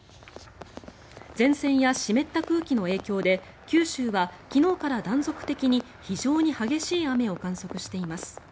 前線や湿った空気の影響で九州は昨日から断続的に非常に激しい雨を観測しています。